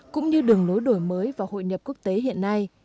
cũng như đường lối đổi mới và hội nhập quốc tế hiện nay